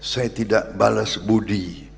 saya tidak balas budi